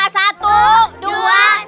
satu dua tiga